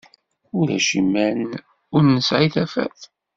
Ulac iman ur nesɛi tafat.